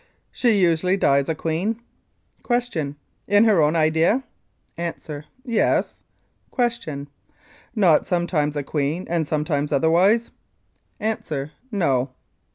She usually dies a queen. Q. In her own idea? A. Yes. Q. Not sometimes a queen and sometimes otherwise? A. No.